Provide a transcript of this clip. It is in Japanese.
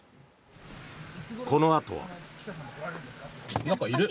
このあとは。